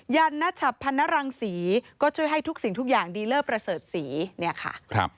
ันนชับพันนรังศรีก็ช่วยให้ทุกสิ่งทุกอย่างดีเลอร์ประเสริฐศรีเนี่ยค่ะ